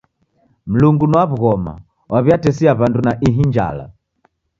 Mlungu ni wa w'ughoma waw'iatesia w'andu na ihi njala.